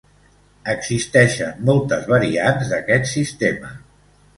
Existeixen moltes variants d'aquest sistema.